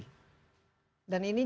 dan ini justru meningkatkan nih rasa